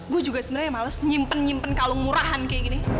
gue juga sebenarnya males nyimpen nyimpen kalung murahan kayak gini